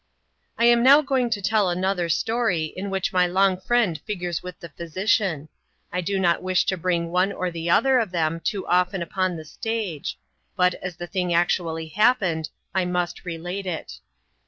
I am now going to tell another story, in which my long friend figures with the physician : I do not wish to bring one or the other of them too often upon the stage ; but, as the thing actually happened, I must relate it.